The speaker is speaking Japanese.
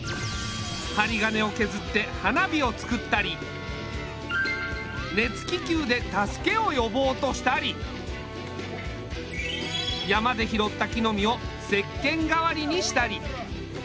はりがねをけずって花火を作ったり熱気球で助けをよぼうとしたり山で拾った木の実をせっけんがわりにしたり。